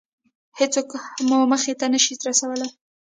هېڅوک مو موخې ته نشي رسولی.